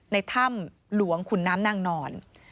ในถ้ำหลวงขุนน้ำนางนอน